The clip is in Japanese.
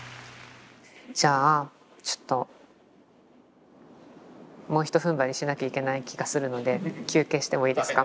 じゃあちょっともうひとふんばりしなきゃいけない気がするので休憩してもいいですか？